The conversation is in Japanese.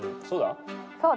そうだ。